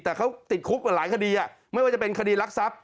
แต่เขาติดคุกกับหลายคดีไม่ว่าจะเป็นคดีรักทรัพย